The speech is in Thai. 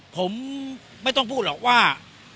ผมไม่ต้องพูดหรอกว่า